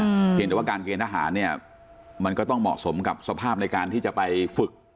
เพียงแต่ว่าการเกณฑหารเนี้ยมันก็ต้องเหมาะสมกับสภาพในการที่จะไปฝึก